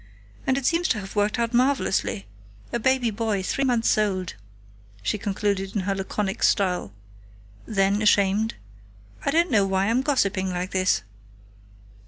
And it seems to have worked out marvelously.... A baby boy three months old," she concluded in her laconic style. Then, ashamed; "I don't know why I'm gossiping like this!"